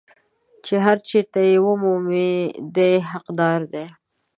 چې هر چېرته یې مومي دی یې حقدار دی.